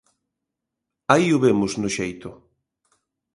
Aí o vemos no xeito.